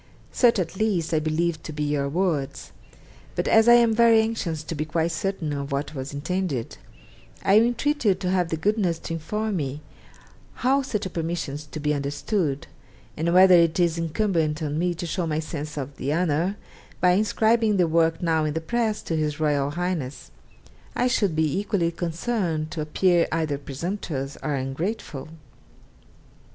Such, at least, I believed to be your words; but as I am very anxious to be quite certain of what was intended, I entreat you to have the goodness to inform me how such a permission is to be understood, and whether it is incumbent on me to show my sense of the honour, by inscribing the work now in the press to His Royal Highness; I should be equally concerned to appear either presumptuous or ungrateful.'